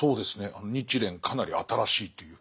あの日蓮かなり新しいという。